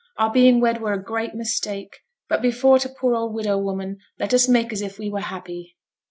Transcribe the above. Our being wed were a great mistake; but before t' poor old widow woman let us make as if we were happy.'